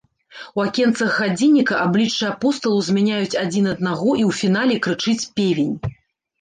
У акенцах гадзінніка абліччы апосталаў змяняюць адзін аднаго, і ў фінале крычыць певень.